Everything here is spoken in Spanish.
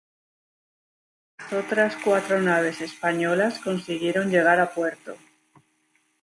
Las otras cuatro naves españolas consiguieron llegar a puerto.